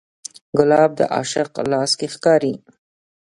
ګلاب د عاشق لاس کې ښکاري.